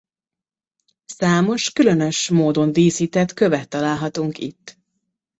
Számos különös módon díszített követ találhatunk itt.